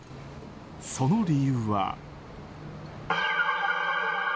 その理由は。